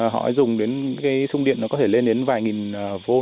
họ dùng đến cái sung điện nó có thể lên đến vài nghìn v